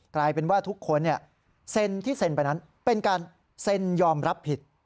กลายเป็นว่าทุกคนเซ็นที่เซ็นไปนั้นเป็นการเซ็นยอมรับผิด